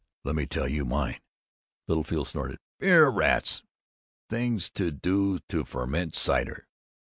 Let me tell you mine!" Littlefield snorted, "Beer! Rats! Thing to do is to ferment cider!"